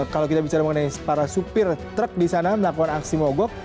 kalau kita bicara mengenai para supir truk di sana melakukan aksi mogok